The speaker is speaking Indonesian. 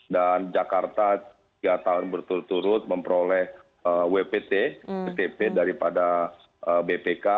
dan jakarta tiga tahun berturut turut memperoleh wpt btp daripada bpk